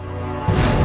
sampai jumpa lagi